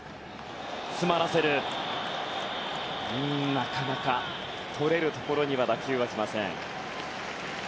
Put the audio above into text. なかなか、とれるところには打球が来ません。